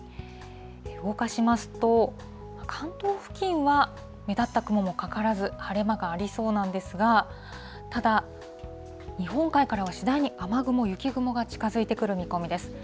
動かしますと、関東付近は目立った雲もかからず、晴れ間がありそうなんですが、ただ、日本海からは次第に雨雲、雪雲が近づいてくる見込みです。